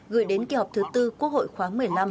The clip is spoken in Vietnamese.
gửi đến kỳ họp thứ bốn quốc hội khóa một mươi năm